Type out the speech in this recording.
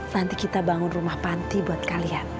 nanti kita bangun rumah panti buat kalian